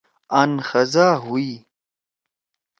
آن خزا ہُوئی۔